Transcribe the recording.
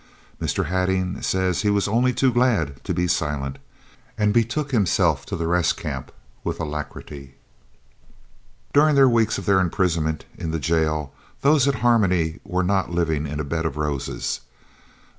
Mr. Hattingh says he was only too glad to "be silent," and betook himself to the Rest Camp with alacrity. During the weeks of their imprisonment in the jail those at Harmony were not living in a bed of roses.